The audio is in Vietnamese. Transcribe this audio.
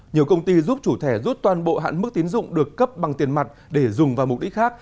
nhiều công ty giúp chủ thẻ rút toàn bộ hạn mức tín dụng được cấp bằng tiền mặt để dùng vào mục đích khác